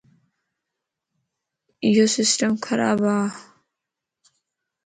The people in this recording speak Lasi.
ايو سسٽم خراب ا.